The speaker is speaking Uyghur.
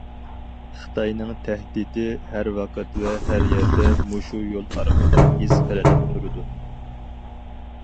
خىتاينىڭ تەھدىتى ھەر ۋاقىت ۋە ھەر يەردە مۇشۇ يول ئارقىلىق ھېس قىلىنىپ تۇرىدۇ.